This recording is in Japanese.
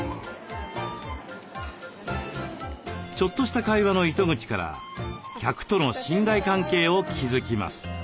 ちょっとした会話の糸口から客との信頼関係を築きます。